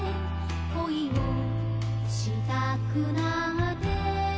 「恋をしたくなって」